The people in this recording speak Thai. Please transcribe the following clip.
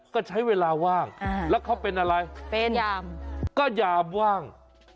ก็ใช้เวลาว่างแล้วเขาเป็นอะไรเป็นยามก็ยามว่าง